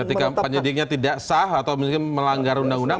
ketika penyidiknya tidak sah atau mungkin melanggar undang undang